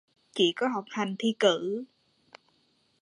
Chỉ có học hành thi cử